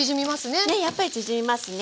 ねっやっぱり縮みますね。